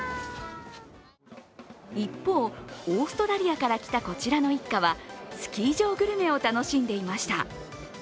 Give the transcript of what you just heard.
一方、オーストラリアから来たこちらの一家はスキー場グルメを楽しんでいました。